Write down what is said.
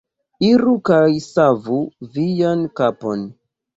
Iru kaj savu vian kapon!